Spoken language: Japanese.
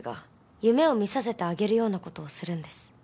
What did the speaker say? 夢を見させてあげるようなことをするんです